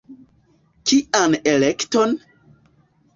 Kian elekton?